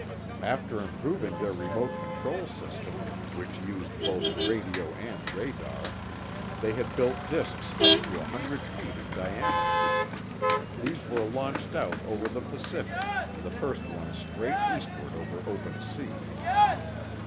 After improving their remote control system, which used both radio and radar, they had built disks up to a hundred feet in diameter. These were launched out over the Pacific, the first ones straight eastward over open sea.